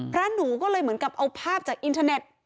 พระหนูก็เลยเหมือนกับเอาภาพจากอินเทอร์เน็ต